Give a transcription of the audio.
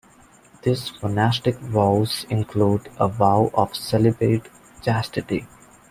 Their monastic vows include a vow of celibate chastity.